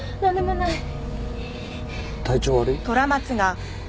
体調悪い？